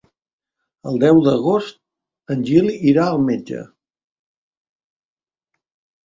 El deu d'agost en Gil irà al metge.